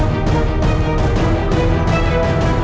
malam lagi aja ya